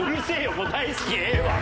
もう「大好き」ええわ！